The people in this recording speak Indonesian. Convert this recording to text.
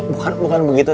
bukan bukan begitu